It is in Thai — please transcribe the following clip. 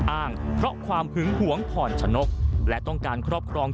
อ้างเพราะความหึงหวงผ่อนชะนกและต้องการครอบครอง